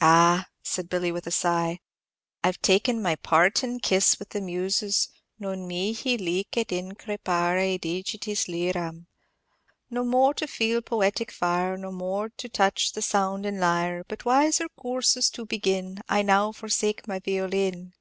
"Ah!" said Billy, with a sigh, "I have taken my partin' kiss with the Muses; non mihi licet increpare digitis lyram: "'No more to feel poetic fire, No more to touch the soundin' lyre; But wiser coorses to begin, I now forsake my violin.'"